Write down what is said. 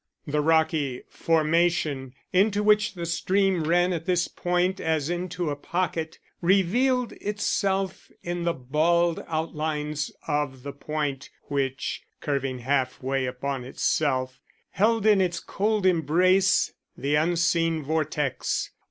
The rocky formation into which the stream ran at this point as into a pocket, revealed itself in the bald outlines of the point which, curving half way upon itself, held in its cold embrace the unseen vortex.